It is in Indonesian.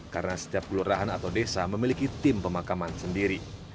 karena setiap kelurahan atau desa memiliki tim pemakaman sendiri